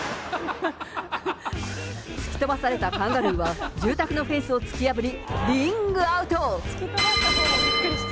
突き飛ばされたカンガルーは、住宅のフェンスを突き破り、リングアウト。